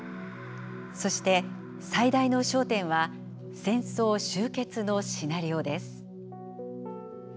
そして、最大の焦点は、戦争終結のシナリオです。